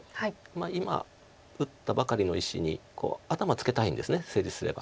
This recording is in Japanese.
今打ったばかりの石に頭ツケたいんです成立すれば。